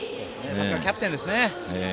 さすがキャプテンですね。